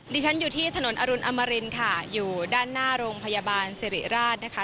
ดิฉันอยู่ที่ถนนอรุณอมรินค่ะอยู่ด้านหน้าโรงพยาบาลสิริราชนะคะ